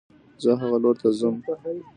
زه هغه لور ته ځم